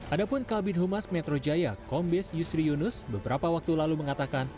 adapun kabin humas metro jaya kombes yusri yunus beberapa waktu lalu mengatakan